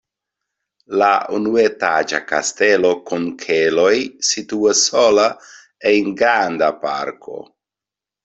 La unuetaĝa kastelo kun keloj situas sola en granda parko.